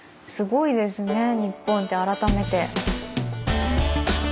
すごいですね日本って改めて。